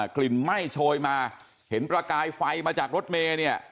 กลิ่นไหม้โชยมาเห็นประกายไฟมาจากรถเมย์เนี่ย